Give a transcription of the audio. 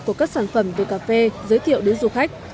của các sản phẩm về cà phê giới thiệu đến du khách